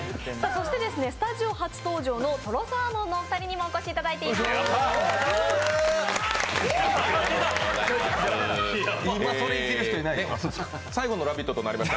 そしてスタジオ初登場のとろサーモンのお二人にもお越しいただいています。